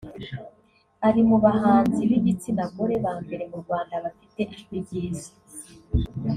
ari mu bahanzi b’igitsinagore ba mbere mu Rwanda bafite ijwi ryiza